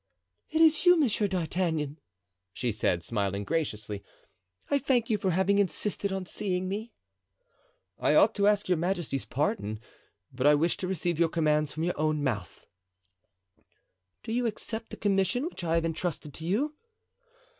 "It is you, Monsieur D'Artagnan," she said, smiling graciously; "I thank you for having insisted on seeing me." "I ought to ask your majesty's pardon, but I wished to receive your commands from your own mouth." "Do you accept the commission which I have intrusted to you?"